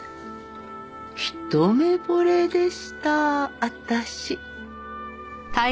一目惚れでした私。